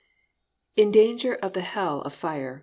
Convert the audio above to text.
"In danger of the hell of fire."